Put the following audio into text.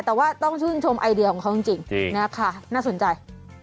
แต่ว่าต้องชื่นชมไอเดียของเขาจริงนะคะน่าสนใจ